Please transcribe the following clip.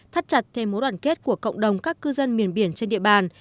thắt chặt thêm mối đoàn kết của cộng đồng các cư dân miền biển trên địa bàn